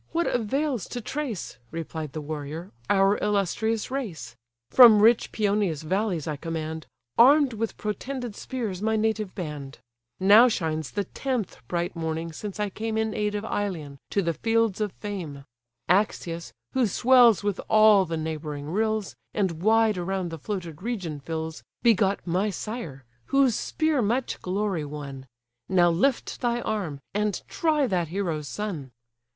what avails to trace (Replied the warrior) our illustrious race? From rich Paeonia's valleys I command, Arm'd with protended spears, my native band; Now shines the tenth bright morning since I came In aid of Ilion to the fields of fame: Axius, who swells with all the neighbouring rills, And wide around the floated region fills, Begot my sire, whose spear much glory won: Now lift thy arm, and try that hero's son!"